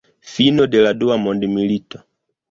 Fino de la Dua mondmilito.